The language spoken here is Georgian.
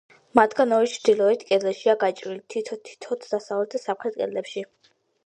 მათგან ორი ჩრდილოეთ კედელშია გაჭრილი, თითო-თითოდ დასავლეთ და სამხრეთ კედლებში.